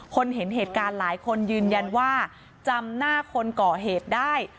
เห็นเหตุการณ์หลายคนยืนยันว่าจำหน้าคนก่อเหตุได้